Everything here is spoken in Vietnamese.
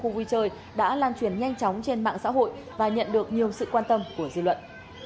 khu vui chơi đã lan truyền nhanh chóng trên mạng xã hội và nhận được nhiều sự quan tâm của dư luận